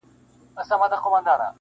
• همدم نه سو د یو ښکلي د ښکلو انجمن کي..